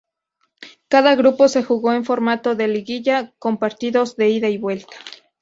Cada grupo se jugó en formato de liguilla, con partidos de ida y vuelta.